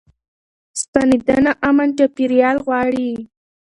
ستنېدنه امن چاپيريال غواړي.